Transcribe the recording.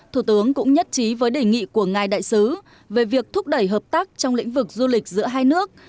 thủ tướng cũng nhất trí với đề nghị của ngài đại sứ về việc thúc đẩy hợp tác trong lĩnh vực du lịch giữa hai nước